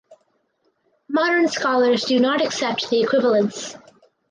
Modern scholars do not accept the equivalence.